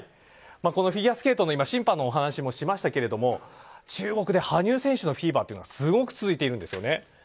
このフィギュアスケートの審判のお話も今、しましたけれども中国で羽生選手のフィーバーがすごく続いているんですね。